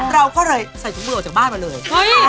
เราก็เลยใส่ถุงมือออกจากบ้านมาเลย